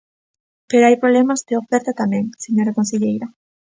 Pero hai problemas de oferta tamén, señora conselleira.